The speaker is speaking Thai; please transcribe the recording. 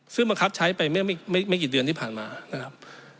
ซึ่งบังคับใช้ไปเมื่อไม่กี่เดือนที่ผ่านมานะครับ